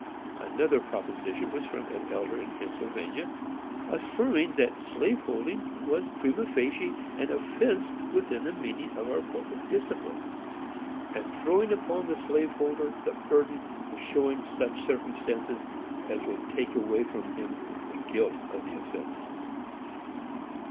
Another proposition was from an elder in Pennsylvania, affirming "that slaveholding was, prima facie, an offence within the meaning of our Book of Discipline, and throwing upon the slave holder the burden of showing such circumstances as will take away from him the guilt of the offence."